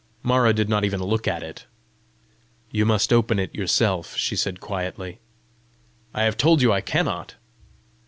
Mara did not even look at it. "You must open it yourself," she said quietly. "I have told you I cannot!"